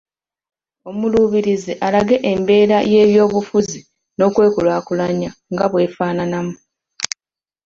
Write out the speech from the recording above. Omuluubirizi alage embeera y’ebyobufuzi n’okwekulaakulanya nga bw’efaanana mu